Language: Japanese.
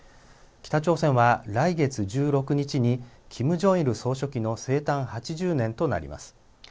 北朝鮮は来月１６日にキム・ジョンイル総書記の生誕８０年となります。